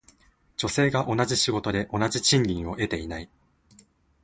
女性が同じ仕事で同じ賃金を得ていない。